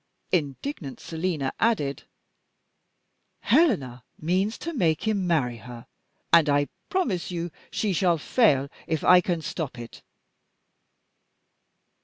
Indignant Selina added: "Helena means to make him marry her; and I promise you she shall fail, if I can stop it."